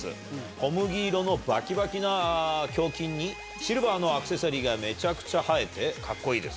小麦色のばきばきな胸筋に、シルバーのアクセサリーがめちゃくちゃ映えてかっこいいです。